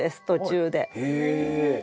へえ。